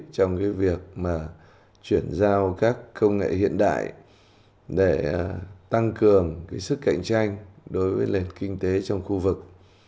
trong việc chuyển giao các công nghệ hiện đại để tăng cường sức cạnh tranh đối với nền kinh tế trong khu vực